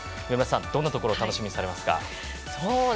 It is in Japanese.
上村さん、どんなところを楽しみにされますか。